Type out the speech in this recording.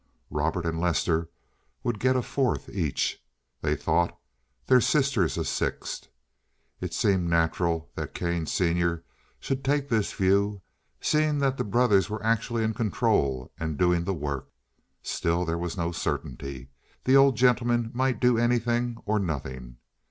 Robert and Lester would get a fourth each, they thought; their sisters a sixth. It seemed natural that Kane senior should take this view, seeing that the brothers were actually in control and doing the work. Still, there was no certainty. The old gentleman might do anything or nothing.